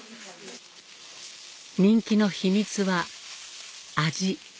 人気の秘密は味